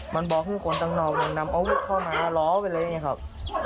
มันบอกให้คนตรงนอกนั้นนำอาวุธเข้ามาล้อไปเลยนะครับ